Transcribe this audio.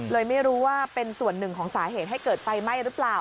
เลยไม่รู้ว่าเป็นส่วนหนึ่งของสาเหตุให้เกิดไฟไหม้หรือเปล่า